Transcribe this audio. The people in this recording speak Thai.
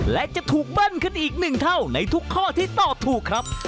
และจะถูกเบิ้ลขึ้นอีกหนึ่งเท่าในทุกข้อที่ตอบถูกครับ